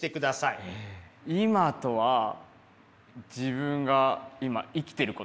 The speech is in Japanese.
「今」とは自分が今生きてること？